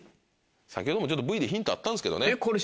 先ほどもＶＴＲでヒントあったんですけどね。